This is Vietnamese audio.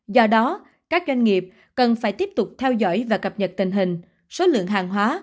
do đó các doanh nghiệp cần phải tiếp tục theo dõi và cập nhật tình hình số lượng hàng hóa